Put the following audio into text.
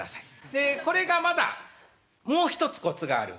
でこれがまだもう一つコツがあるんですね。